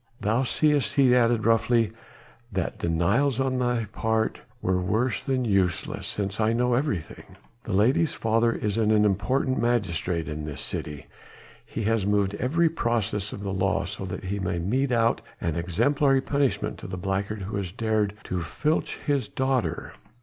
Thou seest," he added roughly, "that denials on thy part were worse than useless, since I know everything. The lady's father is an important magistrate in this city, he has moved every process of the law so that he may mete out an exemplary punishment to the blackguard who has dared to filch his daughter.